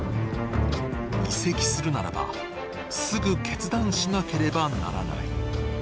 移籍するならばすぐ決断しなければならない。